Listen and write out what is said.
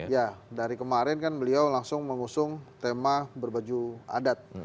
ya dari kemarin kan beliau langsung mengusung tema berbaju adat